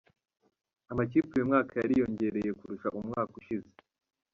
Amakipe uyu mwaka yariyongereye kurusha umwaka ushize.